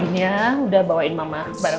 makasih ya dina udah bawain mama barang barang